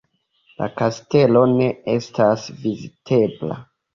La kastelo ne estas vizitebla.